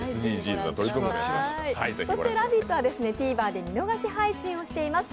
そして「ラヴィット！」はＴＶｅｒで見逃し配信をしています。